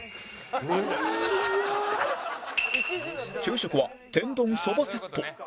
昼食は天丼そばセット